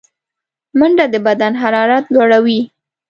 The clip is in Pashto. منډه د بدن حرارت لوړوي